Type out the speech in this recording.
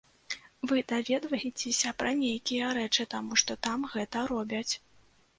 Вы даведваецеся пра нейкія рэчы, таму што там гэта робяць.